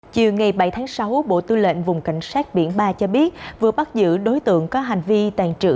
chiều ngày bảy tháng sáu bộ tư lệnh vùng cảnh sát biển ba cho biết vừa bắt giữ đối tượng có hành vi tàn trữ